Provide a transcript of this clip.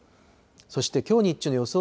そしてきょう日中の予想